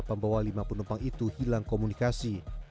pembawa lima penumpang itu hilang komunikasi